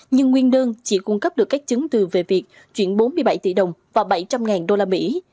nhưng nguyên đơn chỉ cung cấp được các chứng từ về việc chuyển bốn mươi bảy tỷ đồng và bảy trăm linh đô la mỹ